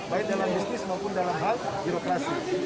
baik dalam bisnis maupun dalam hal birokrasi